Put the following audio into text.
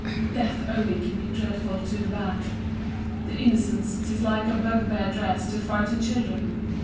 [Death only can be dreadful to the bad;* To innocence 'tis like a bugbear dress'd To frighten children.